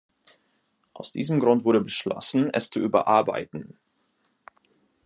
Aus diesem Grund wurde beschlossen, es zu überarbeiten.